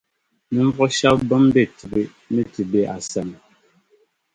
ninvuɣ’ shɛb’ bɛn be tibi ni ti be a sani.